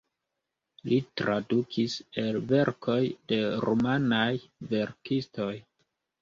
Li tradukis el verkoj de rumanaj verkistoj.